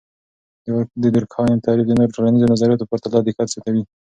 د دورکهايم تعریف د نورو ټولنیزو نظریاتو په پرتله دقت زیاتوي.